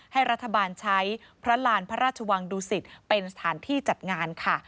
ให้รัฐบาลใช้พระลานพระราชวังดุสิตเป็นสถานที่จัดงานค่ะ